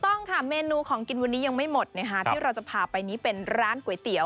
ต้องค่ะเมนูของกินวันนี้ยังไม่หมดนะคะที่เราจะพาไปนี้เป็นร้านก๋วยเตี๋ย